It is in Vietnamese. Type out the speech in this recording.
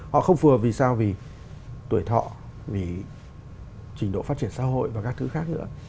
họ không phù vì sao vì tuổi thọ vì trình độ phát triển xã hội và các thứ khác nữa